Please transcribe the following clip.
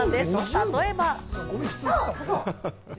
例えば。